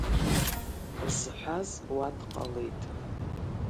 Зҳәаз уа дҟалеит.